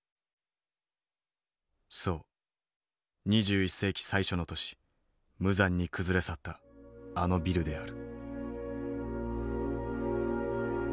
そう２１世紀最初の年無残に崩れ去ったあのビルである。